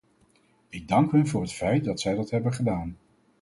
Ik dank hun voor het feit dat zij dat hebben gedaan.